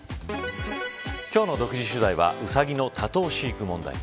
今日の独自取材はウサギの多頭飼育問題。